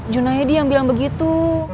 junaidi yang bilang begitu